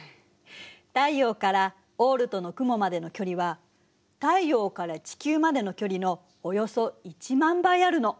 太陽からオールトの雲までの距離は太陽から地球までの距離のおよそ１万倍あるの。